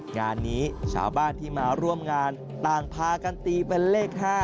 งานนี้ชาวบ้านที่มาร่วมงานต่างพากันตีเป็นเลข๕